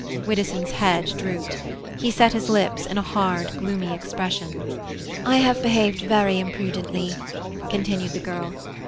Widdowson's head drooped; he set his lips in a hard gloomy expression. "I have behaved very imprudently," continued the girl.